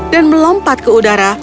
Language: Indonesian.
dan melompat ke udara